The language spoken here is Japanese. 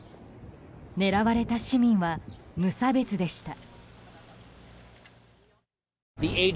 狙われた市民は無差別でした。